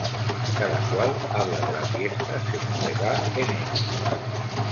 Cada cual habla de la fiesta según le va en ella